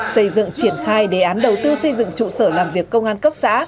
xây dựng triển khai đề án đầu tư xây dựng trụ sở làm việc công an cấp xã